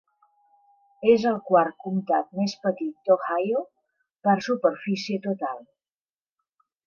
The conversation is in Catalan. És el quart comtat més petit d'Ohio per superfície total.